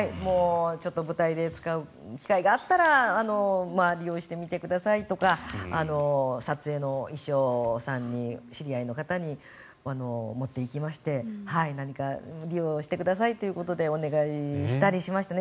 舞台で使う機会があったら利用してみてくださいとか撮影の衣装さんに知り合いの方に持っていきまして何か利用してくださいということでお願いしたりしましたね。